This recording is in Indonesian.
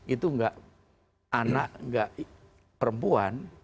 itu enggak anak enggak perempuan